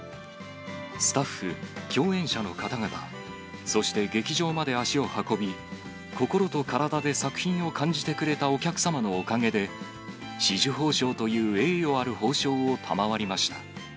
スタッフ、共演者の方々、そして劇場まで足を運び、心と体で作品を感じてくれたお客様のおかげで、紫綬褒章という栄誉ある褒章を賜りました。